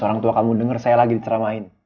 orang tua kamu denger saya lagi diceramain